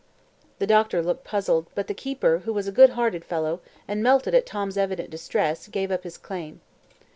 The Doctor looked puzzled, but the keeper, who was a good hearted fellow, and melted at Tom's evident distress, gave up his claim.